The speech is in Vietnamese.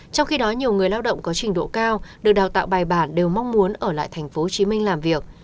trong khi đó nhiều người lao động có trình độ cao được đào tạo bài bản đều mong muốn ở lại tp hcm làm việc